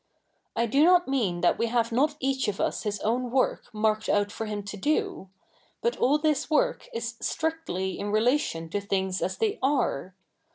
I do not mean that we have not each of us his own work marked out for him to do ; but all this work is strictly in relation to things as they are.